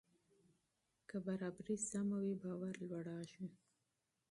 که شفافیت وي، اعتماد لوړېږي.